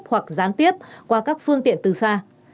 hoặc gián tiếp qua các phương tiện từ xa